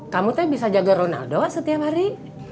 kamu tuh bisa jaga ronaldo setiap hari